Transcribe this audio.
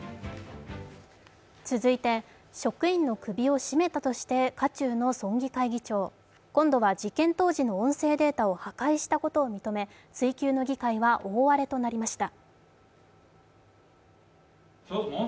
続いて、職員の首を絞めたとして渦中の村議会議長今度は事件当時の音声データを破壊したことを認め、追及の議会は大荒れとなりました。